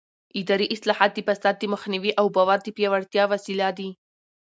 اداري اصلاحات د فساد د مخنیوي او باور د پیاوړتیا وسیله دي